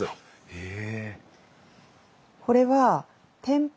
へえ。